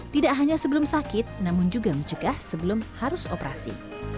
tidak hanya sebelum sakit namun juga mencegah sebelum harus operasi